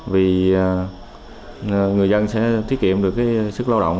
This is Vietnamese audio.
vì người dân sẽ thiết kiệm được cái sức lao động